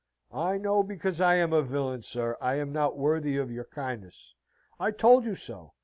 "I know because I am a villain, sir. I am not worthy of your kindness. I told you so.